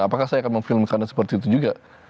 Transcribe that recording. apakah saya akan memfilmkan seperti itu juga